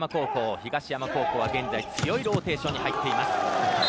東山高校は現在強いローテーションに入ってます。